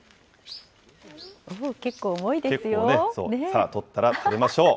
さあ、取ったら食べましょう。